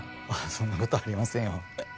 そんな事ありませんよ。